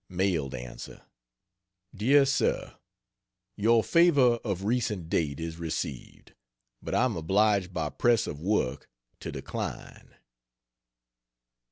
Mailed Answer: DEAR SIR, Your favor of recent date is received, but I am obliged by press of work to decline.